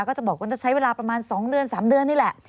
ก็จะบอกว่าจะใช้เวลาประมาณ๒เดือน๓เดือนนี่แหละ